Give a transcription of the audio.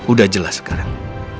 udah jelas sekarang